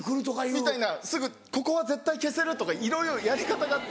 みたいなここは絶対消せるとかいろいろやり方があって。